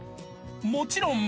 ［もちろん］